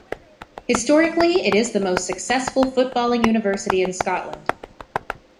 Historically it is the most successful footballing university in Scotland.